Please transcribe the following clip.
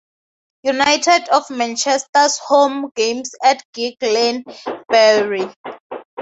United of Manchester's home games at Gigg Lane, Bury.